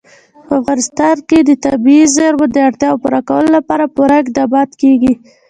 په افغانستان کې د طبیعي زیرمو د اړتیاوو پوره کولو لپاره پوره اقدامات کېږي.